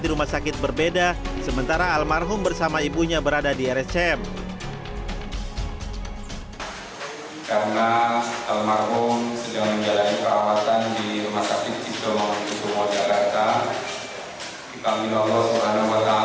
di rumah sakit berbeda sementara almarhum bersama ibunya berada di rsjm karena almarhum